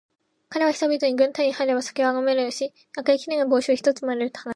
かれは人々に、軍隊に入れば酒は飲めるし、赤いきれいな帽子を一つ貰える、と話しました。